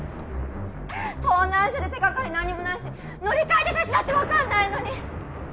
盗難車で手掛かり何にもないし乗り換えた車種だって分かんないのに！